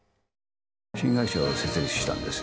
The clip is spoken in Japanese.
新会社を設立したんですよ。